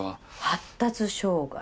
『発達障害』